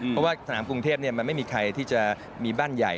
เพราะว่าสนามกรุงเทพมันไม่มีใครที่จะมีบ้านใหญ่